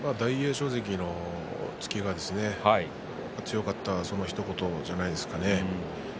翔関の突きが強かった、そのひと言ではないですかね。